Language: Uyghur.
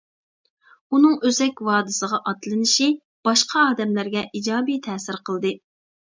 ئۇنىڭ ئۆسەك ۋادىسىغا ئاتلىنىشى باشقا ئادەملەرگە ئىجابىي تەسىر قىلدى.